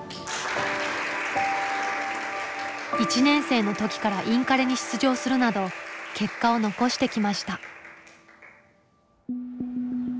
１年生の時からインカレに出場するなど結果を残してきました。